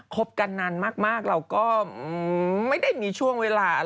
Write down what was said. บกันนานมากเราก็ไม่ได้มีช่วงเวลาอะไร